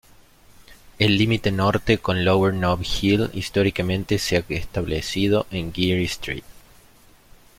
El límite norte con Lower Nob Hill históricamente se ha establecido en Geary Street.